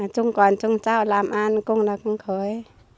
trong quản trung trao làm ăn cũng là cũng khởi